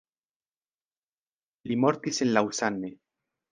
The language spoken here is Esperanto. Li mortis en Lausanne.